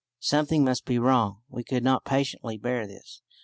Something must be done; we could not patiently bear this.